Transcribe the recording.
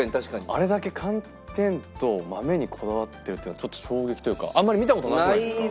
あれだけ寒天と豆にこだわってるっていうのはちょっと衝撃というかあんまり見た事なくないですか？